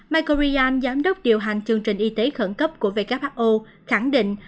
michael ryan giám đốc điều hành chương trình y tế khẩn cấp của who khẳng định